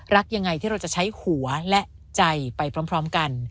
รักยังไงที่เราจะใช้หัวและใจไปพร้อมกัน